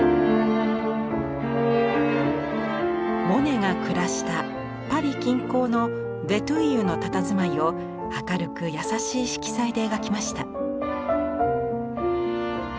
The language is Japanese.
モネが暮らしたパリ近郊のヴェトゥイユのたたずまいを明るく優しい色彩で描きました。